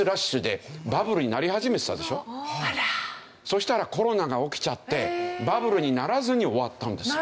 そしたらコロナが起きちゃってバブルにならずに終わったんです。